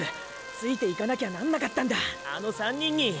ついていかなきゃなんなかったんだあの３人に！